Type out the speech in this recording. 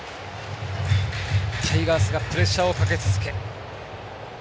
タイガースがプレッシャーをかけ続け